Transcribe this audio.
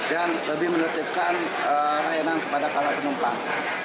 dan lebih menetapkan layanan kepada para penumpang